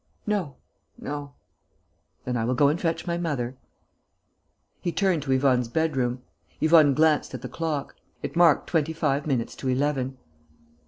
"No ... no...." "Then I will go and fetch my mother." He turned to Yvonne's bedroom. Yvonne glanced at the clock. It marked twenty five minutes to eleven!